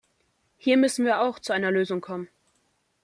Hier müssen wir auch zu einer Lösung kommen.